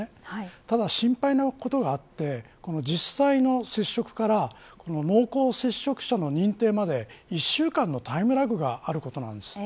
ただ、心配なことがあって実際の接触から濃厚接触者の認定まで１週間のタイムラグがあることです。